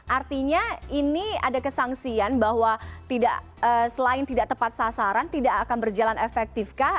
artinya ini ada kesangsian bahwa selain tidak tepat sasaran tidak akan berjalan efektif kah